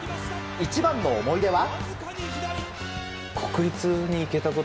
一番の思い出は？